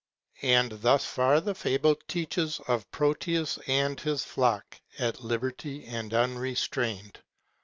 And thus far the fable reaches of Proteus, and his flock, at liberty and unrestrained.